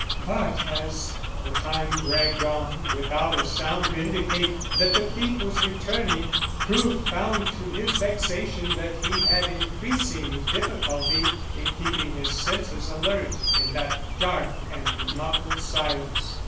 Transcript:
But, as the time dragged on without a sound to indicate that the thief was returning, Crewe found to his vexation that he had increasing difficulty in keeping his senses alert in that dark and muffled silence.